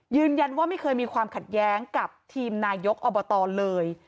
ไม่เคยมีความขัดแย้งกับทีมนายกอบตเลย